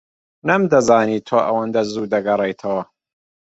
نەمدەزانی تۆ ئەوەندە زوو دەگەڕێیتەوە.